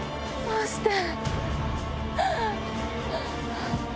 どうして。